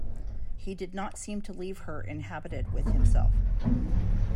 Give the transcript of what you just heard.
He did not seem to leave her inhabited with himself.